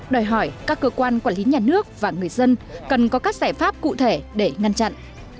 đòi hỏi các cơ quan quản lý nhà nước và người dân cần có các giải pháp cụ thể để ngăn chặn